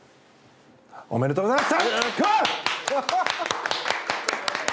おめでとうございます！